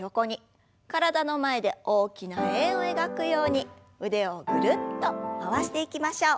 体の前で大きな円を描くように腕をぐるっと回していきましょう。